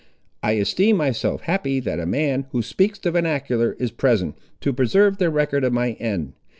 I esteem myself happy that a man, who speaks the vernacular, is present, to preserve the record of my end.